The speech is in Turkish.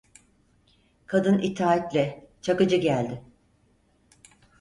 Kadın itaatle: - Çakıcı geldi!